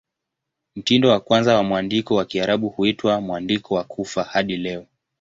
Mtindo wa kwanza wa mwandiko wa Kiarabu huitwa "Mwandiko wa Kufa" hadi leo.